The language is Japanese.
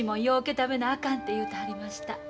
食べなあかんて言うてはりました。